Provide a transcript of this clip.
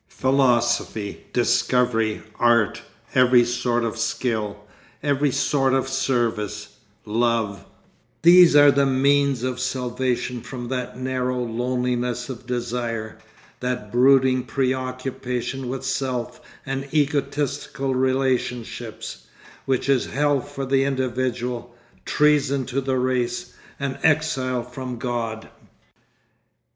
Philosophy, discovery, art, every sort of skill, every sort of service, love: these are the means of salvation from that narrow loneliness of desire, that brooding preoccupation with self and egotistical relationships, which is hell for the individual, treason to the race, and exile from God....